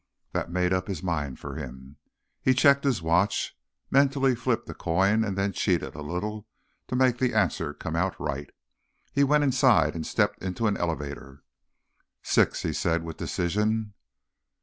That made up his mind for him. He checked his watch, mentally flipped a coin and then cheated a little to make the answer come out right. He went inside and stepped into an elevator. "Six," he said with decision.